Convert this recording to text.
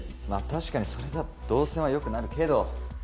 確かにそれだと動線は良くなるけど。